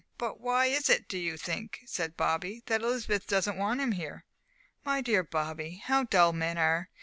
"But why is it, do you think," said Bobby, "that Elizabeth doesn't want him here?" "My dear Bobby, how dull men are!